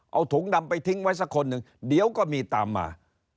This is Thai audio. เอาถุงดำไปทิ้งไว้สักคนหนึ่งเดี๋ยวก็มีตามมา